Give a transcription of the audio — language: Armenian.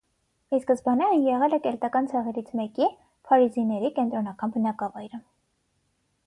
Ի սկզբանե այն եղել է կելտական ցեղերից մեկի՝ փարիզիների կենտրոնական բնակավայրը։